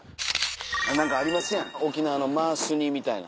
何かありますやん沖縄のマース煮みたいな。